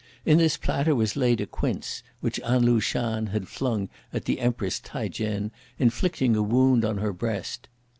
In this platter, was laid a quince, which An Lu shan had flung at the Empress T'ai Chen, inflicting a wound on her breast.